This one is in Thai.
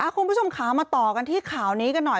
คุณผู้ชมขามาต่อกันที่ข่าวนี้กันหน่อย